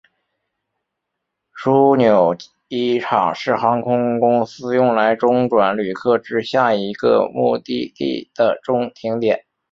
枢纽机场是航空公司用来中转旅客至下一个目的地的中停点。